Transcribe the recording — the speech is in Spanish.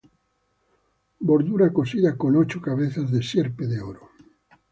Bordura cosida con ocho cabezas de sierpe de oro.